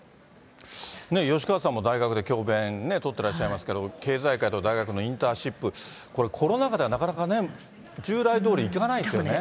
吉川さんも大学で教べん取ってらっしゃいますけど、経済界と大学のインターンシップ、これ、コロナ禍ではなかなかね、従来とおり、いかないですよね。